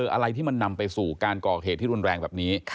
อะไรที่มันนำไปสู่การก่อเหตุที่รุนแรงแบบนี้